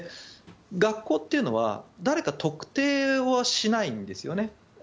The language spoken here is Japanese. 学校というのは誰か特定はしないんですよね。